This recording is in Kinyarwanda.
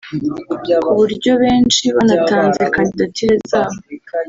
ku buryo abenshi banatanze kandidatire zabo